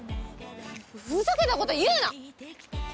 ふふざけたこと言うな！